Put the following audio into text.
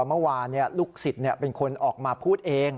เมื่อวานลูกศิษย์เป็นคนออกมาพูดเอง